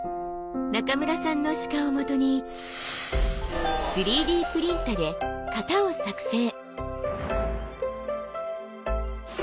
中村さんの鹿をもとに３Ｄプリンタで型を作製。